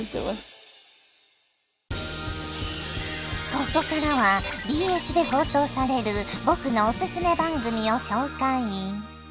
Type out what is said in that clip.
ここからはＢＳで放送される僕のおすすめ番組を紹介！